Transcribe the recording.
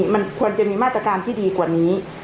มันควรจะมีมาตรการที่ดีกว่านี้